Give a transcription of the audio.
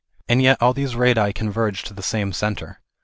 And yet all these radii converge to the same centre.